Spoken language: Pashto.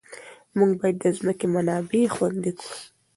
موږ باید د ځمکې منابع خوندي کړو.